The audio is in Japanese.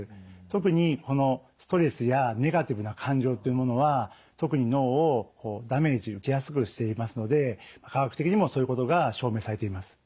特にストレスやネガティブな感情っていうものは特に脳をダメージ受けやすくしていますので科学的にもそういうことが証明されています。